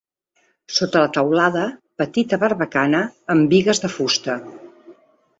Sota la teulada, petita barbacana amb bigues de fusta.